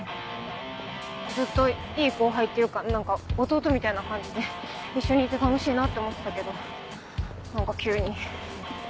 ずっといい後輩っていうか何か弟みたいな感じで一緒にいて楽しいなって思ってたけど何か急に。